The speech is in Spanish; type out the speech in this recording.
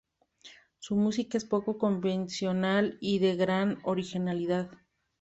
Su música es poco convencional y de gran originalidad.